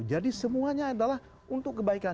jadi semuanya adalah untuk kebaikan